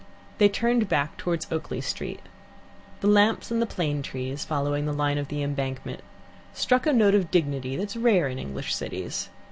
They turned back towards Oakley Street. The lamps and the plane trees, following the line of the embankment, struck a note of dignity that is rare in English cities.